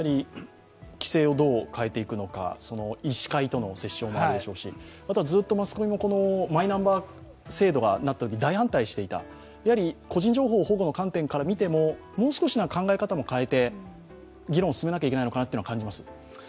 規制をどう変えていくのか、医師会との折衝もあるでしょうし、あとはずっとマスコミもマイナンバー制度になったとき大反対していた個人情報保護の観点から見ても、もう少し考え方を変えて議論を進めなければいけないかなと感じます。